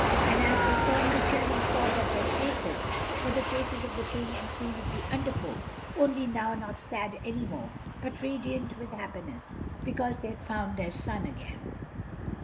And as they turned the children saw that their faces were the faces of the King and Queen of the Under Folk, only now not sad anymore, but radiant with happiness, because they had found their son again.